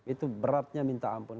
itu beratnya minta ampun